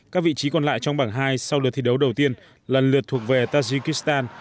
các vị trí còn lại trong bảng hai sau lượt thi đấu đầu tiên lần lượt thuộc về tajikistan